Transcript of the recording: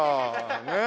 ねえ。